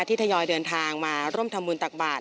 ทยอยเดินทางมาร่วมทำบุญตักบาท